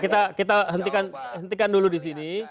kita hentikan dulu di sini